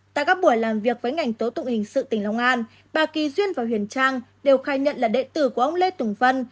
tại các buổi làm việc với ngành tố tụng hình sự tỉnh long an bà kỳ duyên và huyền trang đều khai nhận là đệ tử của ông lê tùng vân